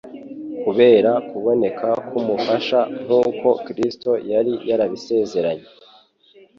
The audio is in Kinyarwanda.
kubera kuboneka k'umufasha nk'uko Kristo yari yarabisezeranye.